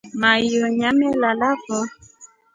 Maiyo nyameelafo.